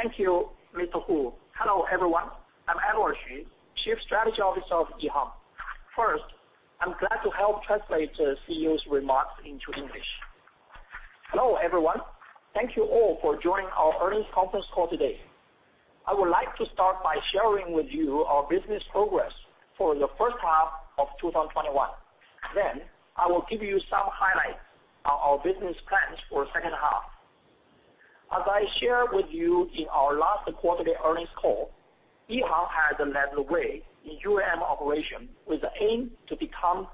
Thank you, Mr. Hu. Hello, everyone. I'm Edward Xu, Chief Strategy Officer of EHang. First, I'm glad to help translate the CEO's remarks into English. Hello, everyone. Thank you all for joining our earnings conference call today. I would like to start by sharing with you our business progress for the H1 of 2021. Then I will give you some highlights on our business plans for second half. As I shared with you in our last quarterly earnings call, EHang has led the way in UAM operation with the aim to become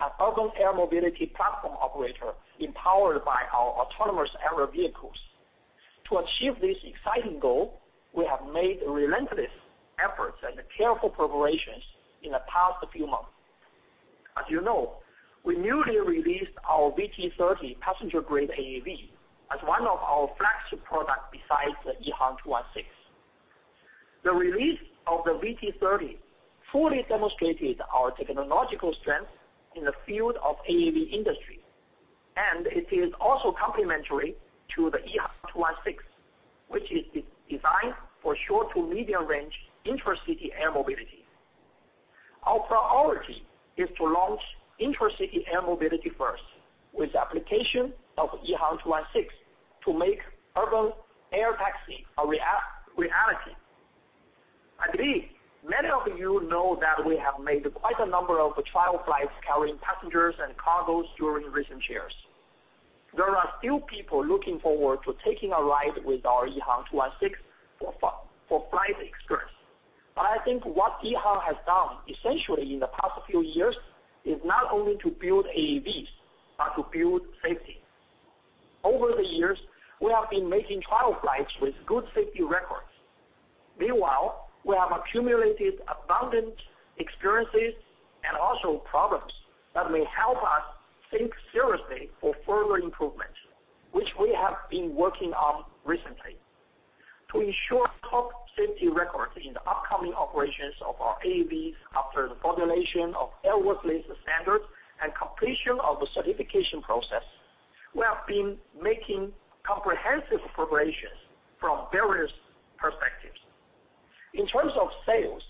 an urban air mobility platform operator empowered by our autonomous aerial vehicles. To achieve this exciting goal, we have made relentless efforts and careful preparations in the past few months. As you know, we newly released our VT30 passenger grade AAV as one of our flagship product besides the EH216. The release of the VT30 fully demonstrated our technological strength in the field of AAV industry, and it is also complementary to the EH216, which is designed for short to medium range intercity air mobility. Our priority is to launch intercity air mobility first with application of EH216 to make urban air taxi a reality. I believe many of you know that we have made quite a number of trial flights carrying passengers and cargoes during recent years. There are still people looking forward to taking a ride with our EH216 for flight experience. I think what EHang has done essentially in the past few years is not only to build AAVs, but to build safety. Over the years, we have been making trial flights with good safety records. Meanwhile, we have accumulated abundant experiences and also problems that may help us think seriously for further improvements, which we have been working on recently. To ensure top safety records in the upcoming operations of our AAVs after the formulation of airworthiness standards and completion of the certification process, we have been making comprehensive preparations from various perspectives. In terms of sales,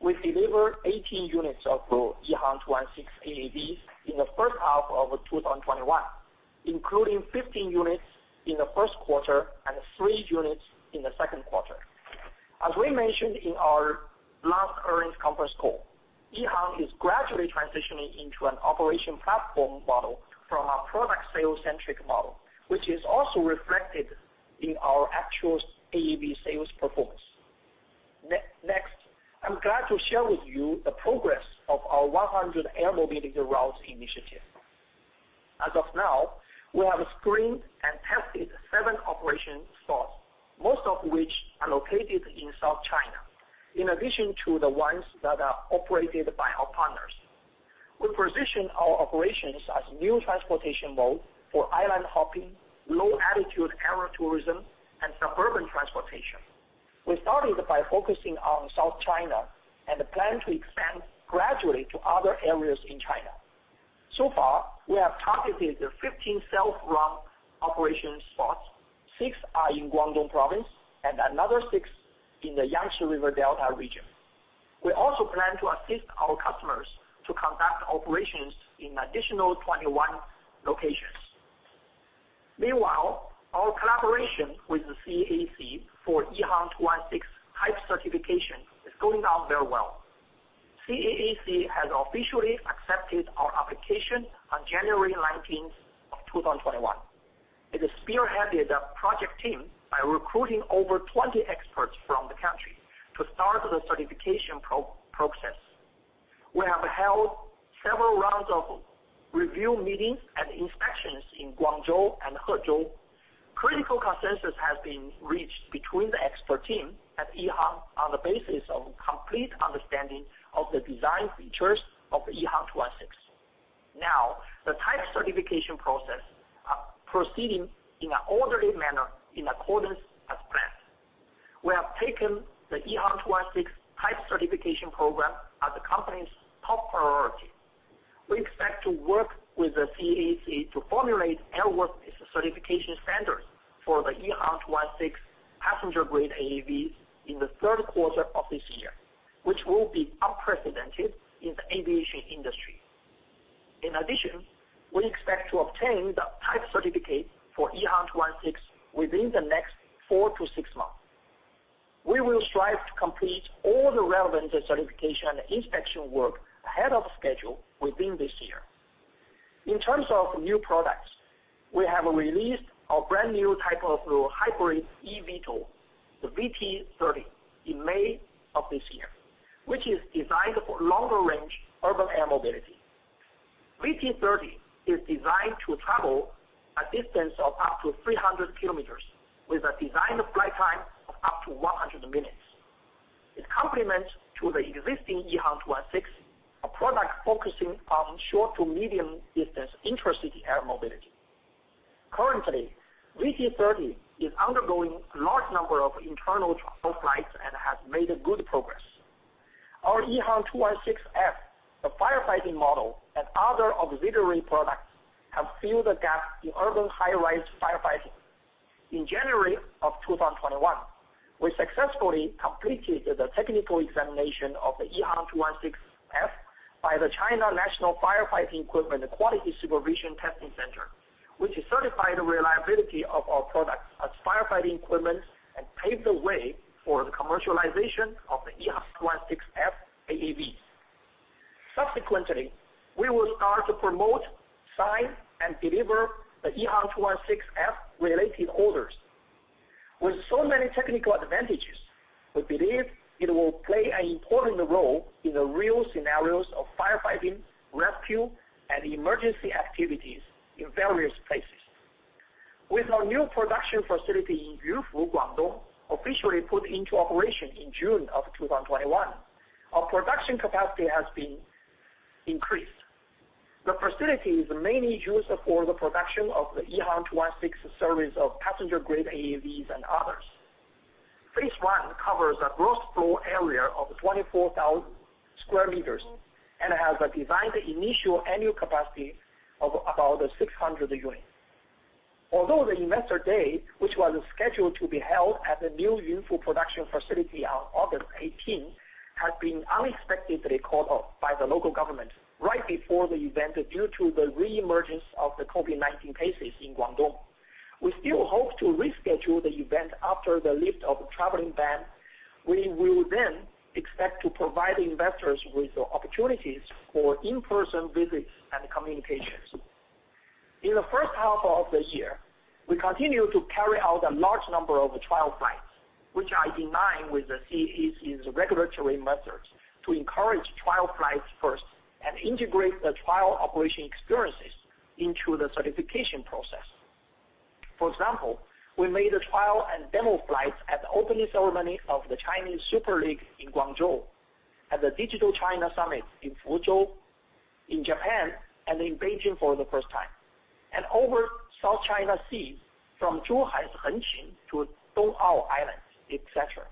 we delivered 18 units of the EH216 AAV in the H1 of 2021, including 15 units in the Q1 and three units in the Q2. As we mentioned in our last earnings conference call, EHang is gradually transitioning into an operation platform model from a product sales centric model, which is also reflected in our actual AAV sales performance. Next, I'm glad to share with you the progress of our 100 Air Mobility Routes Initiative. As of now, we have screened and tested seven operation spots, most of which are located in South China, in addition to the ones that are operated by our partners. We position our operations as new transportation mode for island hopping, low altitude aero-tourism and suburban transportation. We started by focusing on South China and plan to expand gradually to other areas in China. So far, we have targeted 15 self-run operation spots. Six are in Guangdong Province and another six in the Yangtze River Delta region. We also plan to assist our customers to conduct operations in additional 21 locations. Meanwhile, our collaboration with the CAAC for EH216 type certification is going on very well. CAAC has officially accepted our application on January 19th, 2021. It has spearheaded a project team by recruiting over 20 experts from the country to start the certification process. We have held several rounds of review meetings and inspections in Guangzhou and Huizhou. Critical consensus has been reached between the expert team at EHang on the basis of complete understanding of the design features of EH216. Now, the type certification process are proceeding in an orderly manner in accordance as planned. We have taken the EH216 type certification program as the company's top priority. We expect to work with the CAAC to formulate airworthiness certification standards for the EH216 passenger grade AAV in the Q3 of this year, which will be unprecedented in the aviation industry. In addition, we expect to obtain the type certificate for EH216 within the next four-six months. We will strive to complete all the relevant certification and inspection work ahead of schedule within this year. In terms of new products, we have released our brand new type of hybrid eVTOL, the VT-30, in May of this year, which is designed for longer range urban air mobility. VT-30 is designed to travel a distance of up to 300 km with a designed flight time of up to 100 minutes. It is complementary to the existing EH216, a product focusing on short to medium distance intercity air mobility. Currently, VT-30 is undergoing a large number of internal trial flights and has made good progress. Our EH216-F, the firefighting model and other auxiliary products have filled the gap in urban high-rise firefighting. In January 2021, we successfully completed the technical examination of the EH216-F by the China National Firefighting Equipment Quality Supervision Testing Center, which certified the reliability of our products as firefighting equipment and paved the way for the commercialization of the EH216-F AAVs. Subsequently, we will start to promote, sign, and deliver the EH216-F related orders. With so many technical advantages, we believe it will play an important role in the real scenarios of firefighting, rescue, and emergency activities in various places. With our new production facility in Yunfu, Guangdong officially put into operation in June 2021, our production capacity has been increased. The facility is mainly used for the production of the EH216 series of passenger-grade AAVs and others. Phase one covers a gross floor area of 24,000 sq m, and has a designed initial annual capacity of about 600 units. Although the investor day, which was scheduled to be held at the new Yunfu production facility on August 18th, has been unexpectedly called off by the local government right before the event due to the re-emergence of the COVID-19 cases in Guangdong, we still hope to reschedule the event after the lift of travel ban. We will then expect to provide investors with opportunities for in-person visits and communications. In the H1 of the year, we continued to carry out a large number of trial flights, which are in line with the CAAC's regulatory methods to encourage trial flights first and integrate the trial operation experiences into the certification process. For example, we made a trial and demo flight at the opening ceremony of the Chinese Super League in Guangzhou, at the Digital China Summit in Fuzhou, in Japan, and in Beijing for the first time, and over South China Sea from Zhuhai's Hengqin to Dongao Islands, et cetera.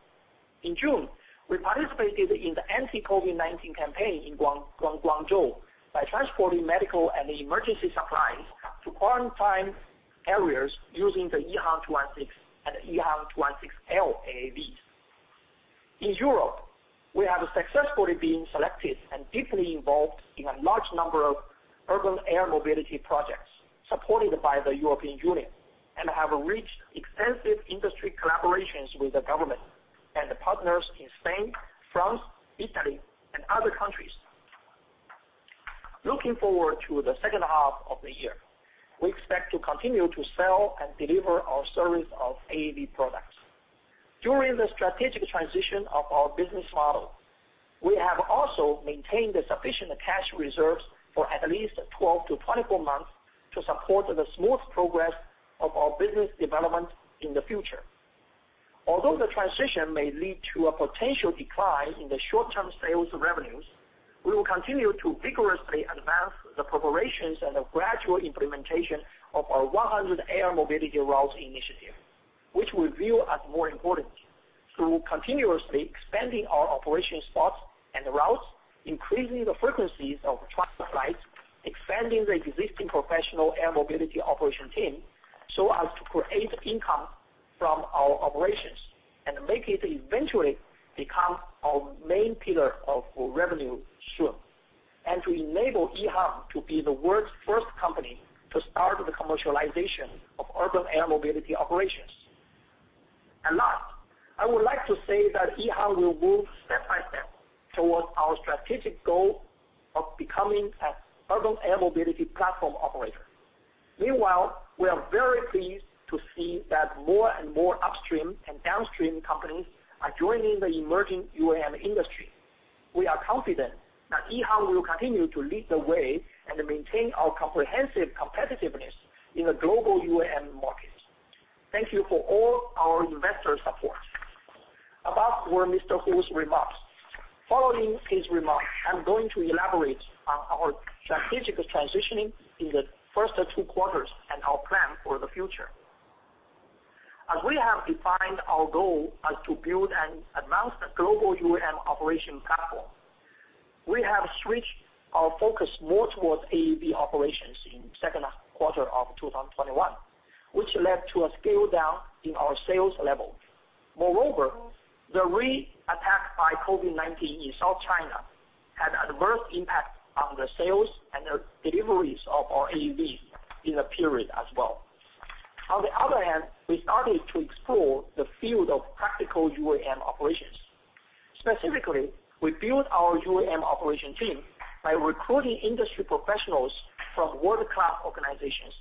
In June, we participated in the anti-COVID-19 campaign in Guangzhou by transporting medical and emergency supplies to quarantined areas using the EH216 and EH216-L AAVs. In Europe, we have successfully been selected and deeply involved in a large number of urban air mobility projects supported by the European Union and have reached extensive industry collaborations with the government and partners in Spain, France, Italy, and other countries. Looking forward to the H2 of the year, we expect to continue to sell and deliver our series of AAV products. During the strategic transition of our business model, we have also maintained sufficient cash reserves for at least 12-24 months to support the smooth progress of our business development in the future. Although the transition may lead to a potential decline in the short-term sales revenues, we will continue to vigorously advance the preparations and the gradual implementation of our 100 Air Mobility Routes initiative, which we view as more important through continuously expanding our operation spots and routes, increasing the frequencies of transport flights, expanding the existing professional air mobility operation team so as to create income from our operations and make it eventually become our main pillar of revenue soon, and to enable EHang to be the world's first company to start the commercialization of urban air mobility operations. Last, I would like to say that EHang will move step by step towards our strategic goal of becoming an urban air mobility platform operator. Meanwhile, we are very pleased to see that more and more upstream and downstream companies are joining the emerging UAM industry. We are confident that EHang will continue to lead the way and maintain our comprehensive competitiveness in the global UAM market. Thank you for all our investor support. Above were Mr. Hu's remarks. Following his remarks, I'm going to elaborate on our strategic transitioning in the first two quarters and our plan for the future. As we have defined our goal as to build and advance the global UAM operation platform, we have switched our focus more towards AAV operations in second half quarter of 2021, which led to a scale-down in our sales level. Moreover, the re-attack by COVID-19 in South China had adverse impact on the sales and the deliveries of our AAV in the period as well. On the other hand, we started to explore the field of practical UAM operations. Specifically, we built our UAM operation team by recruiting industry professionals from world-class organizations.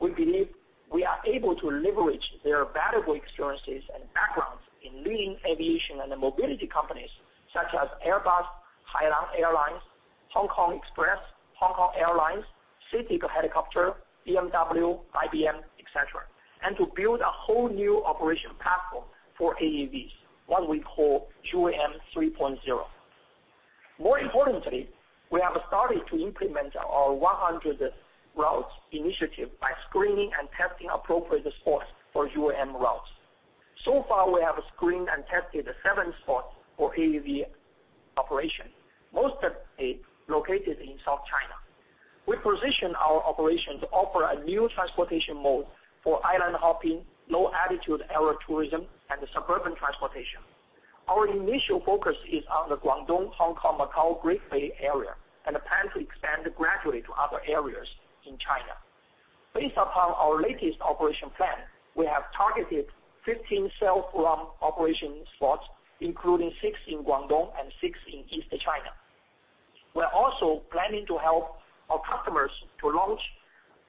We believe we are able to leverage their valuable experiences and backgrounds in leading aviation and mobility companies such as Airbus, Hainan Airlines, Hong Kong Express, Hong Kong Airlines, City Helicopter, BMW, IBM, et cetera, and to build a whole new operation platform for AAVs, what we call UAM 3.0. More importantly, we have started to implement our 100 routes initiative by screening and testing appropriate spots for UAM routes. So far, we have screened and tested seven spots for AAV operation, most of it located in South China. We position our operation to offer a new transportation mode for island hopping, low altitude aero tourism, and suburban transportation. Our initial focus is on the Guangdong-Hong Kong-Macao Greater Bay Area, and plan to expand gradually to other areas in China. Based upon our latest operation plan, we have targeted 15 self-run operation spots, including six in Guangdong and six in Eastern China. We are also planning to help our customers to launch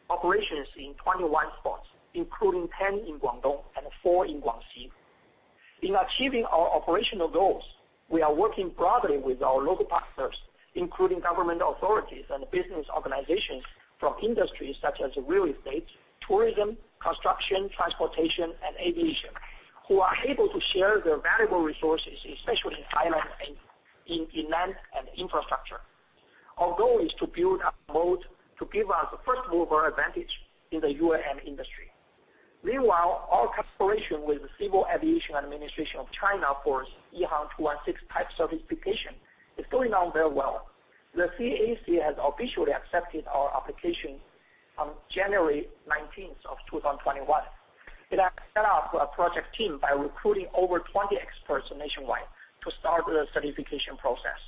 operations in 21 spots, including 10 in Guangdong and four in Guangxi. In achieving our operational goals, we are working broadly with our local partners, including government authorities and business organizations from industries such as real estate, tourism, construction, transportation and aviation, who are able to share their valuable resources, especially in islands and inland and infrastructure. Our goal is to build a model to give us first mover advantage in the UAM industry. Meanwhile, our cooperation with the Civil Aviation Administration of China for EH216 type certification is going on very well. The CAAC has officially accepted our application on January 19th, 2021. It has set up a project team by recruiting over 20 experts nationwide to start the certification process.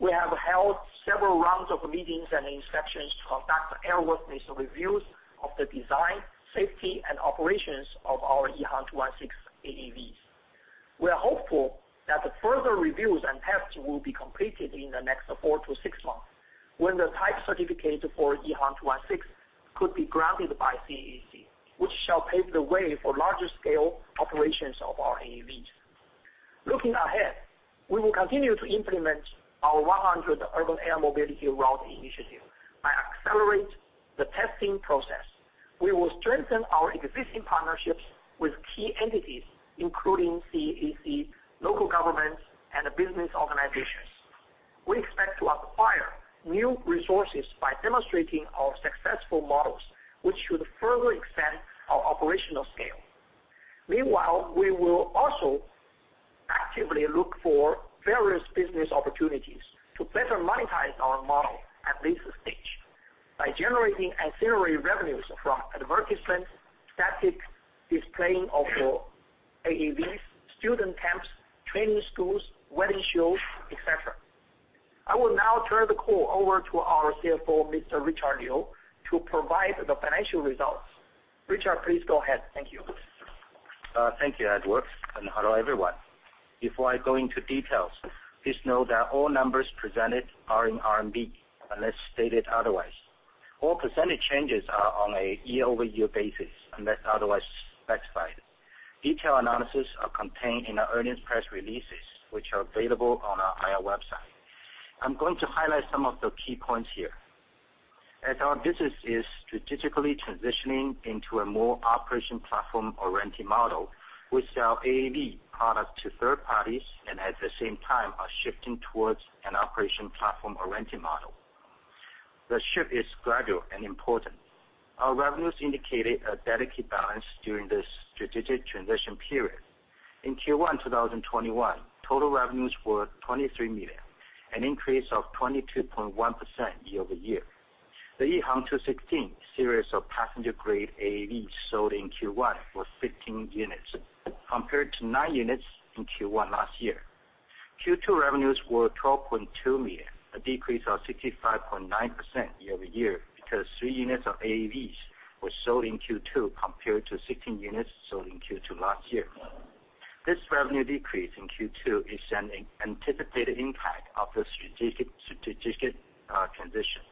We have held several rounds of meetings and inspections to conduct airworthiness reviews of the design, safety and operations of our EH216 AAVs. We are hopeful that the further reviews and tests will be completed in the next four-six months when the type certificate for EH216 could be granted by CAAC, which shall pave the way for larger scale operations of our AAVs. Looking ahead, we will continue to implement our 100 Air Mobility Routes Initiative by accelerating the testing process. We will strengthen our existing partnerships with key entities, including CAAC, local governments and business organizations. We expect to acquire new resources by demonstrating our successful models, which should further expand our operational scale. Meanwhile, we will also actively look for various business opportunities to better monetize our model at this stage by generating ancillary revenues from advertisements, static displaying of the AAVs, student camps, training schools, wedding shows, et cetera. I will now turn the call over to our CFO, Mr. Richard Liu, to provide the financial results. Richard, please go ahead. Thank you. Thank you, Edward and hello, everyone. Before I go into details, please note that all numbers presented are in RMB unless stated otherwise. All percentage changes are on a year-over-year basis unless otherwise specified. Detailed analysis are contained in our earnings press releases, which are available on our IR website. I'm going to highlight some of the key points here. As our business is strategically transitioning into a more operation platform oriented model, we sell AAV product to third parties and at the same time are shifting towards an operation platform oriented model. The shift is gradual and important. Our revenues indicated a delicate balance during this strategic transition period. In Q1 2021, total revenues were RMB 23 million, an increase of 22.1% year-over-year. The EH216 series of passenger-grade AAVs sold in Q1 was 15 units, compared to nine units in Q1 last year. Q2 revenues were 12.2 million, a decrease of 65.9% year-over-year because three units of AAVs were sold in Q2 compared to 16 units sold in Q2 last year. This revenue decrease in Q2 is an anticipated impact of the strategic transition.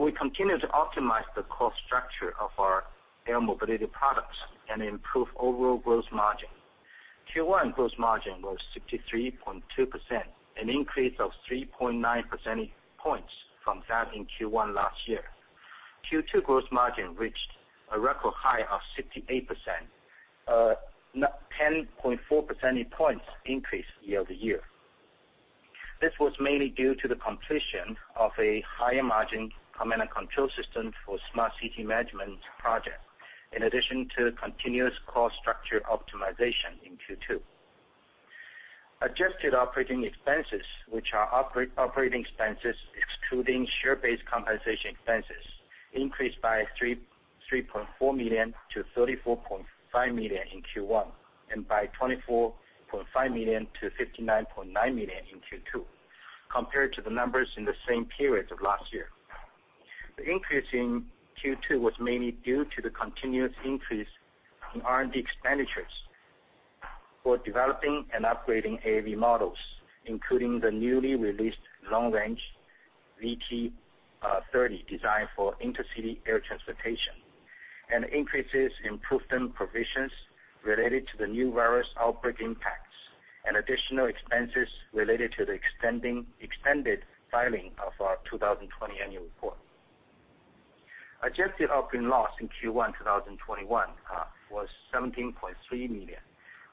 We continue to optimize the cost structure of our air mobility products and improve overall gross margin. Q1 gross margin was 63.2%, an increase of 3.9 percentage points from that in Q1 last year. Q2 gross margin reached a record high of 68%, ten point four percentage points increase year-over-year. This was mainly due to the completion of a higher margin command and control system for smart city management project, in addition to continuous cost structure optimization in Q2. Adjusted operating expenses, which are operating expenses excluding share-based compensation expenses, increased by 3.4 million-34.5 million in Q1 and by 24.5 million-59.9 million in Q2 compared to the numbers in the same periods of last year. The increase in Q2 was mainly due to the continuous increase in R&D expenditures for developing and upgrading AAV models, including the newly released long-range VT30 designed for intercity air transportation and increases in prudent provisions related to the new virus outbreak impacts and additional expenses related to the extended filing of our 2020 annual report. Adjusted operating loss in Q1 2021 was 17.3 million,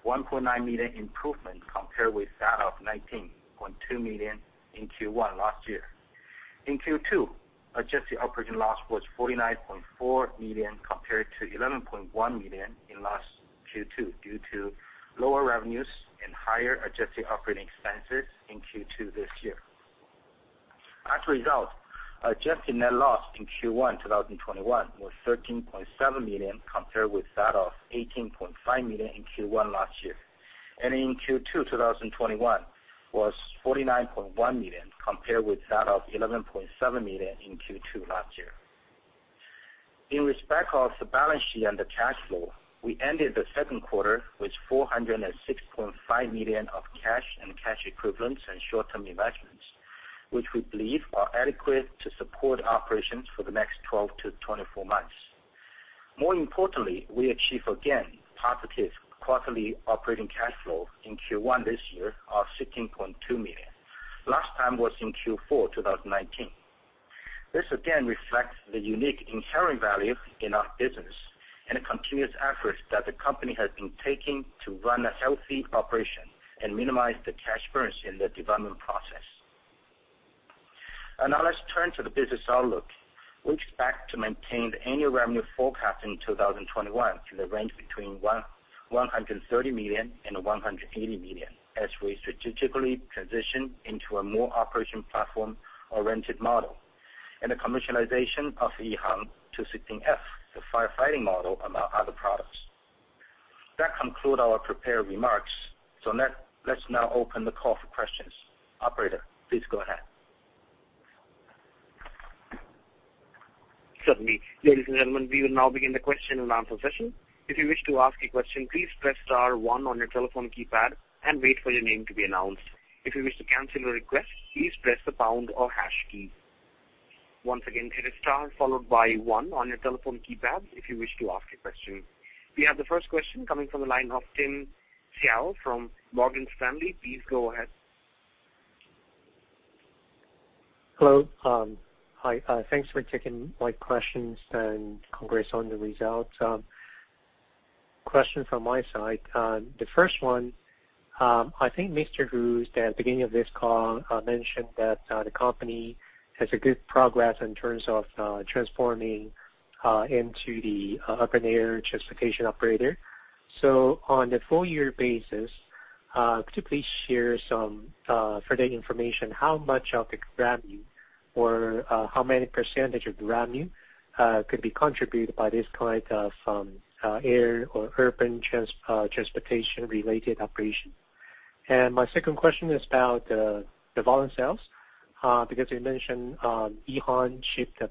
1.9 million improvement compared with that of 19.2 million in Q1 last year. In Q2, adjusted operating loss was 49.4 million compared to 11.1 million in last Q2 due to lower revenues and higher adjusted operating expenses in Q2 this year. As a result, adjusted net loss in Q1 2021 was 13.7 million compared with that of 18.5 million in Q1 last year. In Q2 2021 was 49.1 million compared with that of 11.7 million in Q2 last year. In respect of the balance sheet and the cash flow, we ended the second quarter with 406.5 million of cash and cash equivalents and short-term investments, which we believe are adequate to support operations for the next 12-24 months. More importantly, we achieve again positive quarterly operating cash flow in Q1 this year of 16.2 million. Last time was in Q4 2019. This again reflects the unique inherent value in our business and the continuous efforts that the company has been taking to run a healthy operation and minimize the cash burns in the development process. Now let's turn to the business outlook. We expect to maintain the annual revenue forecast in 2021 in the range between 130 million and 180 million as we strategically transition into a more operational platform-oriented model and the commercialization of EH216-F, the firefighting model, among other products. That concludes our prepared remarks. Let's now open the call for questions. Operator, please go ahead. Certainly. Ladies and gentlemen, we will now begin the question-and-answer session. If you wish to ask a question, please press star one on your telephone keypad and wait for your name to be announced. If you wish to cancel your request, please press the pound or hash key. Once again, hit a star followed by one on your telephone keypad if you wish to ask a question. We have the first question coming from the line of Tim Hsiao from Morgan Stanley. Please go ahead. Hello. Hi, thanks for taking my questions, and congrats on the results. Question from my side. The first one, I think Huazhi Hu, at the beginning of this call, mentioned that the company has a good progress in terms of transforming into the urban air transportation operator. On the full year basis, could you please share some further information, how much of the revenue or how many percentage of revenue could be contributed by this kind of air or urban transportation-related operation? My second question is about the volume sales, because you mentioned EHang shipped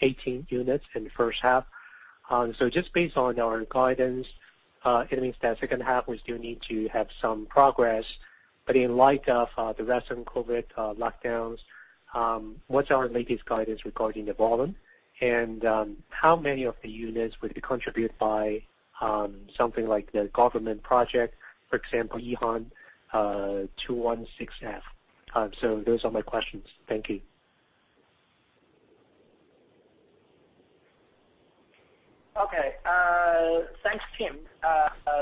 18 units in the first half. Just based on our guidance, it means that second half we still need to have some progress. In light of the recent COVID lockdowns, what's our latest guidance regarding the volume? How many of the units would be contributed by something like the government project, for example, EH216-F? Those are my questions. Thank you. Okay. Thanks, Tim.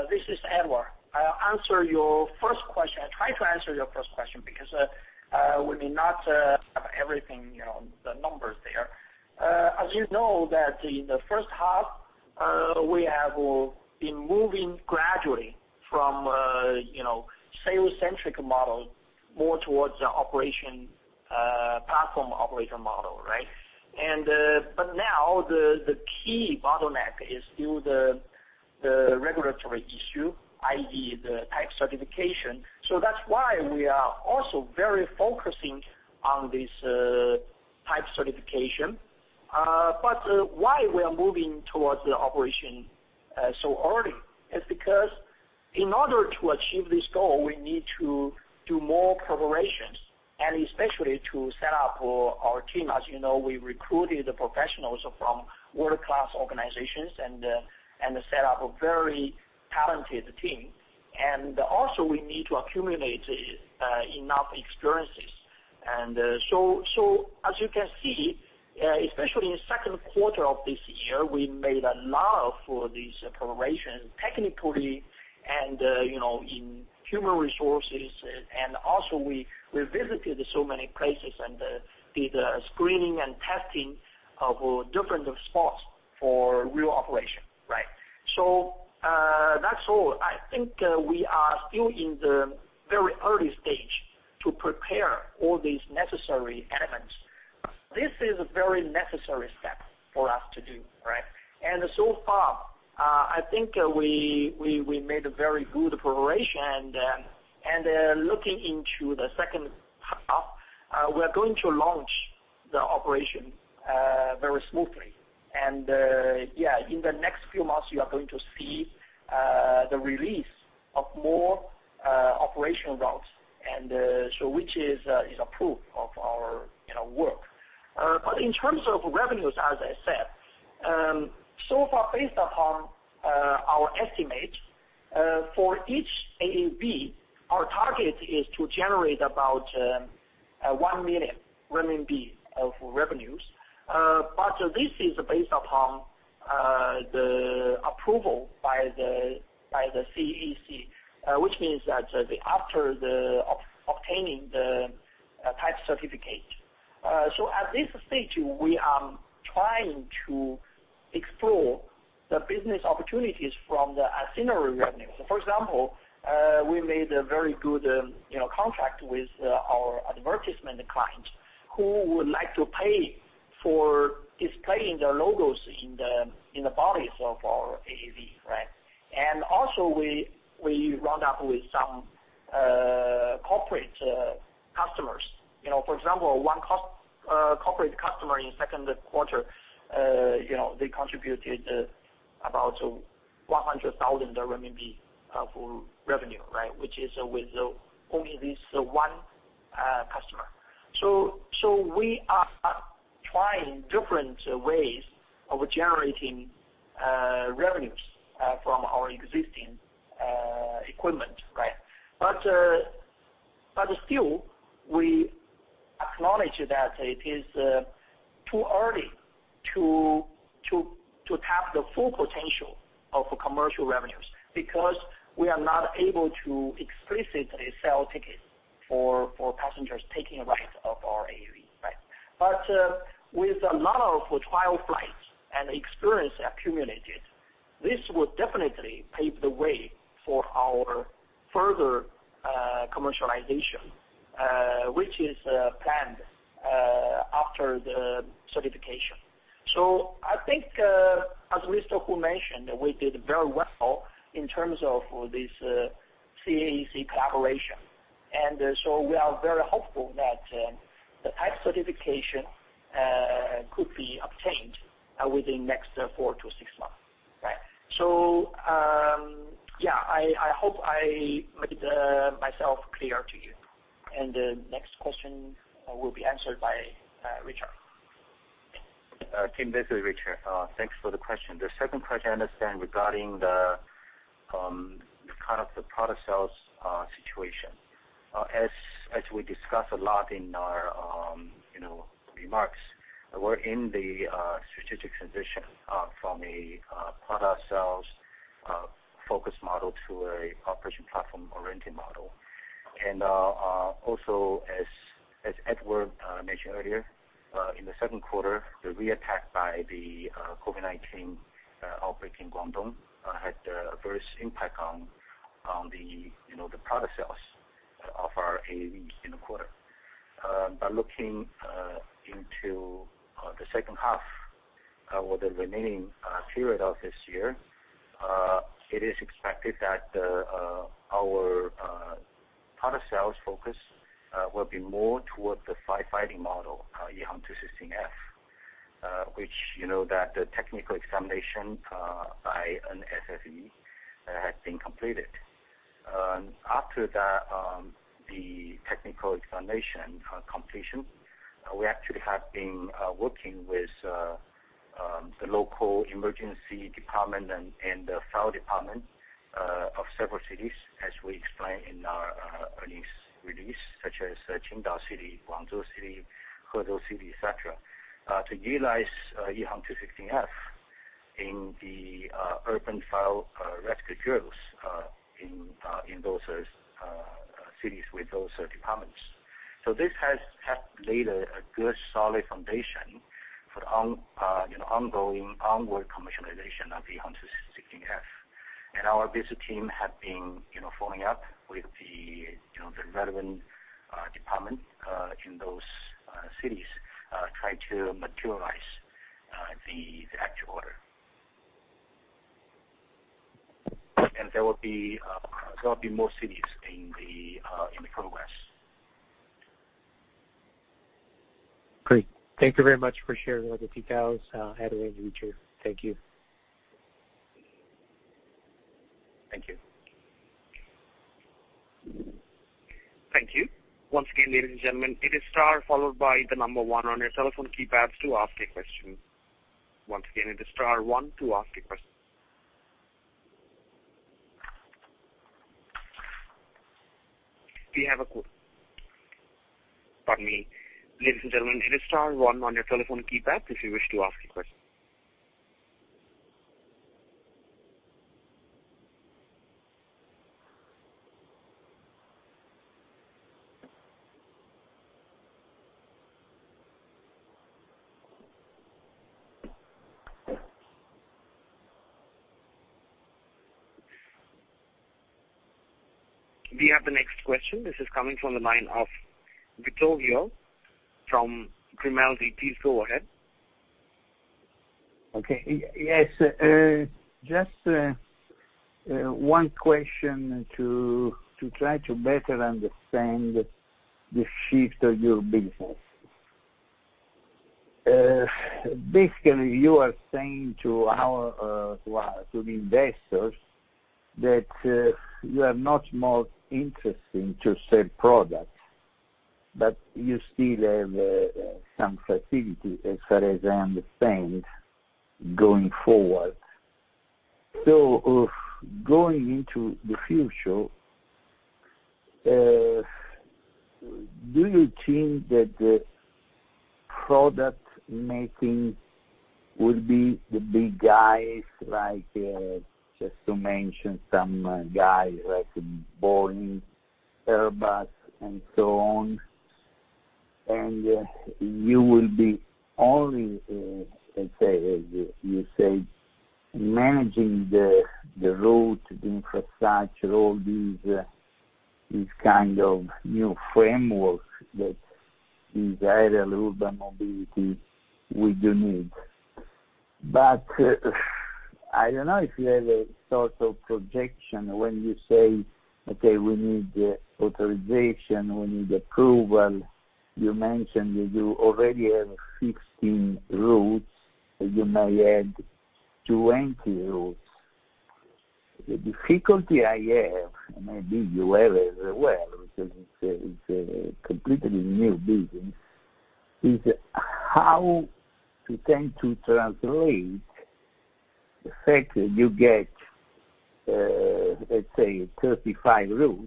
This is Edward. I'll answer your first question. I'll try to answer your first question because we may not have everything, you know, the numbers there. As you know that in the first half, we have been moving gradually from, you know, sales-centric model more towards the operational platform operator model, right? But now the key bottleneck is still the regulatory issue, i.e., the type certification. That's why we are also very focused on this type certification. Why we are moving towards the operational so early is because in order to achieve this goal, we need to do more preparations, and especially to set up our team. As you know, we recruited the professionals from world-class organizations and set up a very talented team. We need to accumulate enough experiences. As you can see, especially in second quarter of this year, we made a lot of these preparations technically and, you know, in human resources, and also we visited so many places and did screening and testing of different spots for real operation, right? That's all. I think we are still in the very early stage to prepare all these necessary elements. This is a very necessary step for us to do, right? So far, I think we made a very good preparation. Looking into the second half, we're going to launch the operation very smoothly. Yeah, in the next few months, you are going to see the release of more operational routes, and so which is a proof of our, you know, work. But in terms of revenues, as I said, so far based upon our estimate for each AAV, our target is to generate about 1 million RMB of revenues. But this is based upon the approval by the CAAC, which means that after obtaining the type certificate. At this stage, we are trying to explore the business opportunities from the ancillary revenues. For example, we made a very good, you know, contract with our advertisement clients who would like to pay for displaying their logos in the bodies of our AAV, right? We round out with some corporate customers. You know, for example, one corporate customer in Q2, you know, they contributed about 100,000 RMB for revenue, right? Which is with only this one customer. We are trying different ways of generating revenues from our existing equipment, right? Still, we acknowledge that it is too early to tap the full potential of commercial revenues because we are not able to explicitly sell tickets for passengers taking a ride on our AAV, right? With a lot of trial flights and experience accumulated, this will definitely pave the way for our further commercialization, which is planned after the certification. I think, as Huazhi Hu mentioned, we did very well in terms of this, CAAC collaboration. We are very hopeful that the type certification could be obtained within next four-six months, right? I hope I made myself clear to you. The next question will be answered by Richard. Tim, this is Richard. Thanks for the question. The second question I understand regarding the kind of the product sales situation. As we discussed a lot in our you know remarks, we're in the strategic transition from a product sales focus model to a operation platform-oriented model. Also as Edward mentioned earlier, in the second quarter, the re-attack by the COVID-19 outbreak in Guangdong had an adverse impact on the you know the product sales of our AAV in the quarter. Looking into the second half or the remaining period of this year, it is expected that our product sales focus will be more towards the firefighting model, EH216-F, which you know that the technical examination by an NFFE has been completed. After that, the technical examination completion, we actually have been working with the local emergency department and the fire department of several cities, as we explained in our earnings release, such as Qingdao City, Guangzhou City, Huadu City, et cetera, to utilize EH216-F in the urban fire rescue drills in those cities with those departments. This has helped laid a good solid foundation for you know, ongoing onward commercialization of EH216-F. Our business team have been you know, following up with the you know, the relevant department in those cities try to materialize the actual order. There will be more cities in the Midwest. Great. Thank you very much for sharing all the details, Edward and Richard. Thank you. Thank you. Thank you. Once again, ladies and gentlemen, it is star followed by the number one on your telephone keypad to ask a question. Once again, it is star one to ask a question. Pardon me. Ladies and gentlemen, it is star one on your telephone keypad if you wish to ask a question. We have the next question. This is coming from the line of Vittorio from Grimaldi. Please go ahead. Okay. Yes, just one question to try to better understand the shift of your business. Basically, you are saying to the investors that you are not more interested in selling products. You still have some facilities as far as I understand going forward. Going into the future, do you think that the product making will be the big guys like just to mention some guys like Boeing, Airbus and so on, and you will be only, let's say, as you said, managing the road infrastructure, all these kind of new frameworks that these urban air mobility we do need. I don't know if you have a sort of projection when you say, okay, we need authorization, we need approval. You mentioned that you already have 16 routes and you may add 20 routes. The difficulty I have, and maybe you have as well, because it's a completely new business, is how to intend to translate the fact that you get, let's say 35 routes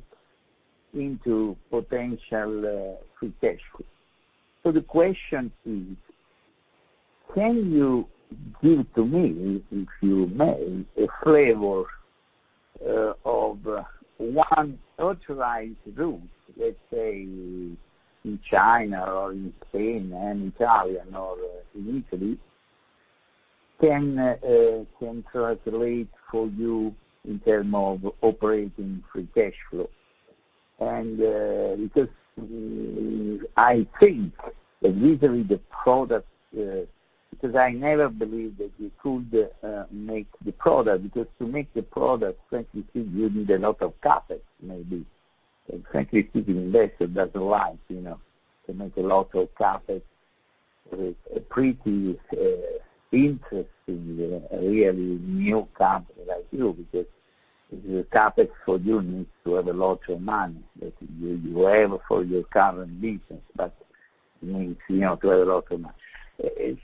into potential, free cash flow. The question is, can you give to me, if you may, a flavor of one authorized route, let's say in China or in Spain or in Italy, can translate for you in terms of operating free cash flow. I think that usually the product, because I never believed that you could make the product, because to make the product, frankly speaking, you need a lot of CapEx maybe. Frankly speaking, investor doesn't like, you know, to make a lot of CapEx with a pretty, interesting, really new company like you, because the CapEx for you needs to have a lot of money that you have for your current business, but you need to, you know, to have a lot of money. If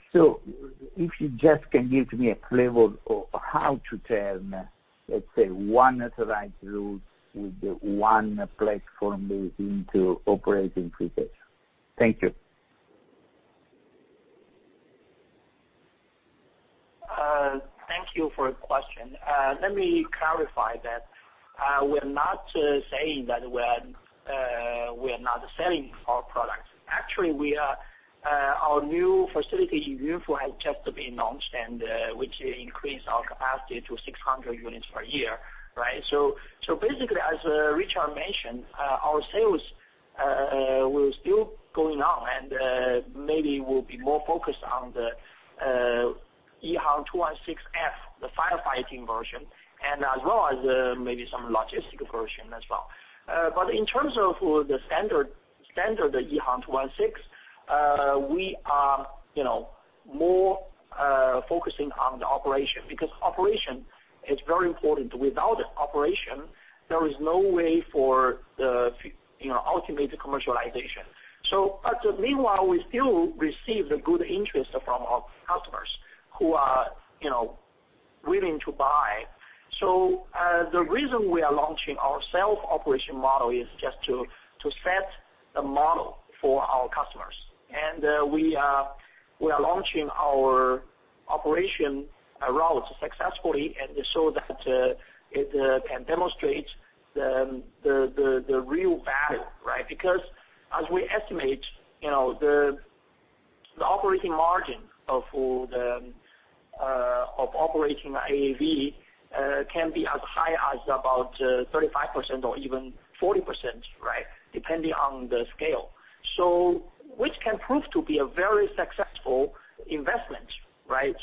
you just can give to me a flavor of how to turn, let's say, one authorized route with one platform into operating free cash. Thank you. Thank you for your question. Let me clarify that. We're not saying that we're not selling our products. Actually, we are. Our new facility in Yunfu has just been launched and which increases our capacity to 600 units per year, right? Basically, as Richard mentioned, our sales were still going on, and maybe we'll be more focused on the EH216-F, the firefighting version, and as well as maybe some logistics version as well. In terms of the standard EH216, we are, you know, more focusing on the operation because operation is very important. Without operation, there is no way for the, you know, ultimate commercialization. Meanwhile, we still receive the good interest from our customers who are, you know, willing to buy. The reason we are launching our self-operation model is just to set the model for our customers. We are launching our operation routes successfully so that it can demonstrate the real value, right? Because as we estimate, you know, the operating margin of operating AAV can be as high as about 35% or even 40%, right, depending on the scale. Which can prove to be a very successful investment, right?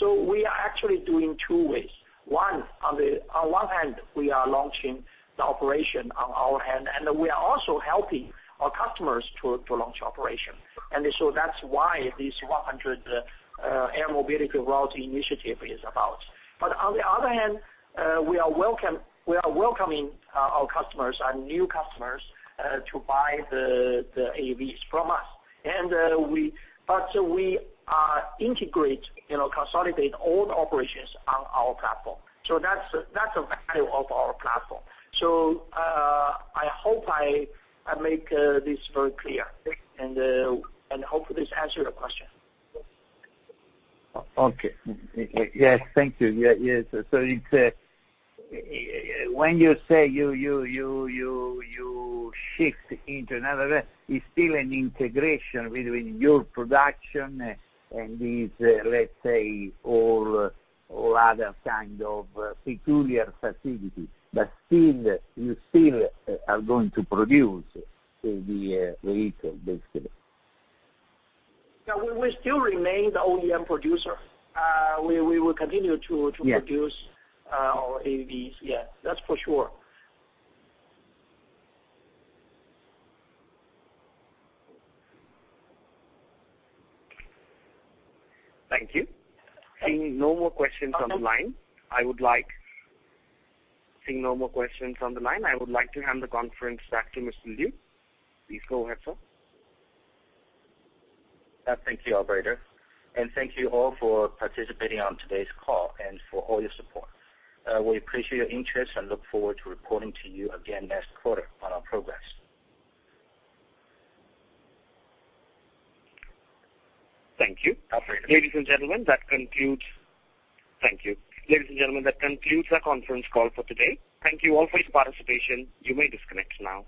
We are actually doing two ways. On one hand, we are launching the operation on our end, and we are also helping our customers to launch operation. That's why this 100 Air Mobility Routes Initiative is about. On the other hand, we are welcoming our customers, our new customers, to buy the AAVs from us. But we are integrating, you know, consolidate all the operations on our platform. That's the value of our platform. I hope I make this very clear. And hope this answers the question. Okay. Yes. Thank you. Yes. When you say you shift into another, it's still an integration between your production and these, let's say, all other kind of particular facilities, but still, you still are going to produce the vehicle, basically. Yeah. We still remain the OEM producer. We will continue to. Yes. To produce our AAVs. Yeah, that's for sure. Thank you. Thank you. Seeing no more questions on the line, I would like to hand the conference back to Mr. Liu. Please go ahead, sir. Thank you, operator. Thank you all for participating on today's call and for all your support. We appreciate your interest and look forward to reporting to you again next quarter on our progress. Thank you. Operator. Ladies and gentlemen, that concludes. Thank you. Ladies and gentlemen, that concludes our conference call for today. Thank you all for your participation. You may disconnect now.